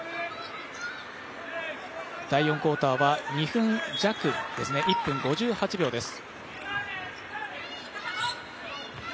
第４クオーターは２分弱、１分５８秒です。